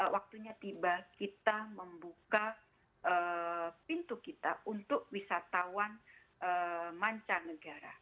waktunya tiba kita membuka pintu kita untuk wisatawan mancanegara